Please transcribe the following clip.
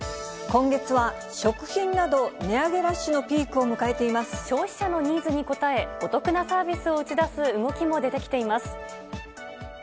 今月は食品など、値上げラッ消費者のニーズに応え、お得なサービスを打ち出す動きも出てきています。